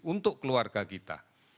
untuk keluarga kita